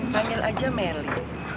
manggil aja meli